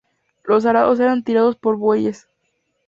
Los arados eran tirados por bueyes.